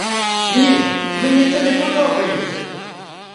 Ні, мені це не подобається!